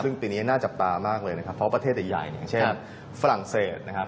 ซึ่งปีนี้น่าจับตามากเลยนะครับเพราะประเทศใหญ่อย่างเช่นฝรั่งเศสนะครับ